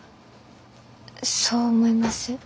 そう思います？